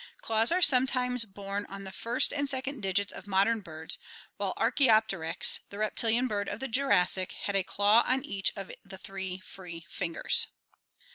Claws are sometimes borne on the first and second digits of modern birds, while Archaopteryx(Fig. 87^.), the reptilian bird of the Jurassic, had a claw on each of the three free fingers.